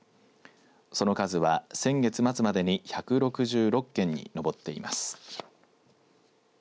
その数は先月末までに１６６件に上っています。